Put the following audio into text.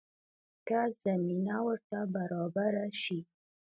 که زمینه ورته برابره شي.